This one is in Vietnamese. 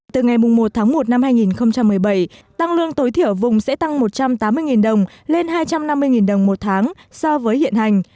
từ ngày một tháng một năm hai nghìn một mươi bảy tăng lương tối thiểu vùng sẽ tăng một trăm tám mươi đồng lên hai trăm năm mươi đồng một tháng so với hiện hành